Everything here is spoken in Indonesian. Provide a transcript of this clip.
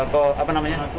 korban ke apa namanya pelaku